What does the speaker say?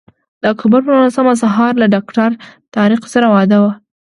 د اکتوبر پر نولسمه سهار له ډاکټر طارق سره وعده وه.